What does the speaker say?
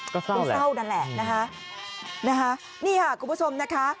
ก็เศร้าแหละนั่นแหละนะคะทีนี้ค่ะกลูกผู้ชมนะคะ